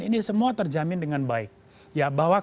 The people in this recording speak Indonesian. ini semua terjamin dengan baik ya bahwa